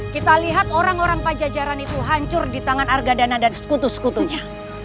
kita lihat orang orang pajajaran itu hancur di tangan argadana dan sekutu sekutunya